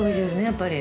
やっぱり。